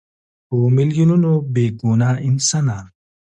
په میلیونونو بېګناه انسانان.